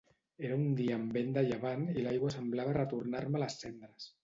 Era un dia amb vent de llevant i l'aigua semblava retornar-me les cendres.